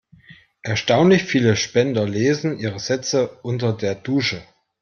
Erstaunlich viele Spender lesen ihre Sätze unter der Dusche.